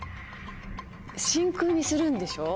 真空にするんでしょ？